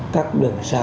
các đường xá